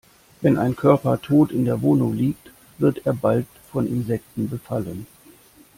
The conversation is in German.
Wenn ein Körper tot in der Wohnung liegt, wird er bald von Insekten befallen.